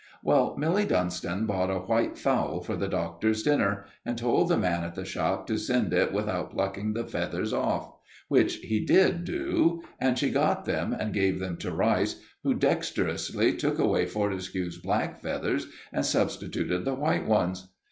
Well, Milly Dunston bought a white fowl for the Doctor's dinner, and told the man at the shop to send it without plucking the feathers off. Which he did do, and she got them and gave them to Rice, who dexterously took away Fortescue's black feathers and substituted the white ones.